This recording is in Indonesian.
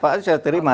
pak saya terima